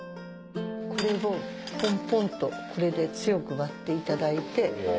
これをポンポンとこれで強く割っていただいて。